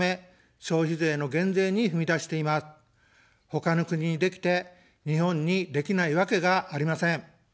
他の国にできて、日本にできないわけがありません。